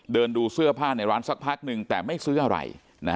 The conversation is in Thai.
เดินดูเสื้อผ้าในร้านสักพักนึงแต่ไม่ซื้ออะไร